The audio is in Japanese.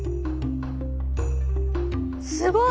すごい！